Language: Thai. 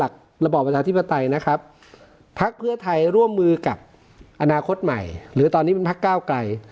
ใครร่วมมือกับอนาคตใหม่หรือตอนนี้ภาคเก้าไกร